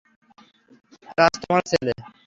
রাজ তোমার ছেলে।